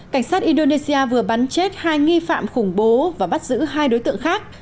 cảnh sát indonesia vừa bắn chết hai nghi phạm khủng bố và bắt giữ hai đối tượng khác